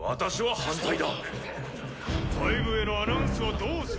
外部へのアナウンスはどうする？